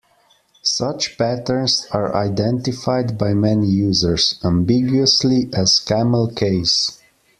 Such patterns are identified by many users, ambiguously, as camel case.